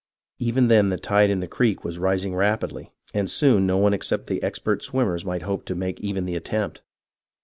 Even then the tide in the creek was rising rapidly, and soon no one except the expert swimmers might hope to make even the attempt.